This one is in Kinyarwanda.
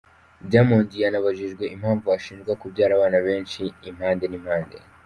Diamond yanabajijwe impamvu ashinjwa kubyara abana benshi impande n’impande.